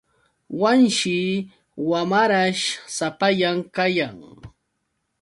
Wanshi wamarash sapallan kayan.